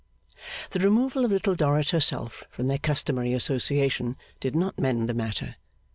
The removal of Little Dorrit herself from their customary association, did not mend the matter.